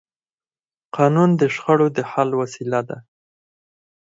قانون د شخړو د حل وسیله ده